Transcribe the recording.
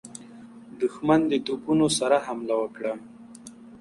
دښمن د توپونو سره حمله وکړه.